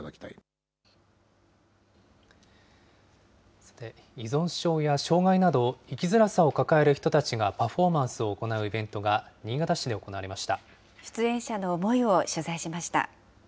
さて、依存症や障害など、生きづらさを抱える人たちがパフォーマンスを行うイベントが、新潟市で行われました。